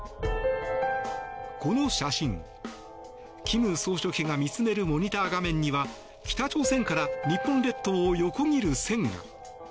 この写真、金総書記が見つめるモニター画面には北朝鮮から日本列島を横切る線が。